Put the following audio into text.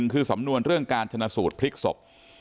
คือสำนวนเรื่องการชนะสูตรพลิกศพ